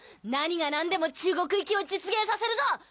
何がなんでも中国行きを実現させるぞ！